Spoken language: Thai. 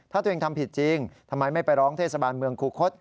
ถ้าตัวเองทำผิดจริงทำไมไม่ไปร้องเทศบาลเมืองคูคศ